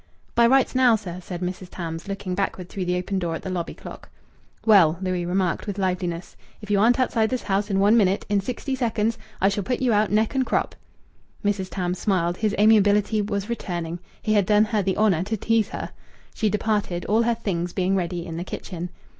"By rights, now, sir," said Mrs. Tams, looking backward through the open door at the lobby clock. "Well," Louis remarked with liveliness, "if you aren't outside this house in one minute, in sixty seconds, I shall put you out, neck and crop." Mrs. Tams smiled. His amiability was returning, he had done her the honour to tease her. She departed, all her "things" being ready in the kitchen.